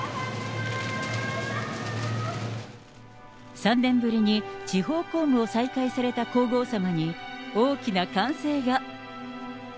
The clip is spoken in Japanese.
３年ぶりに地方公務を再開された皇后さまに、大きな歓声が。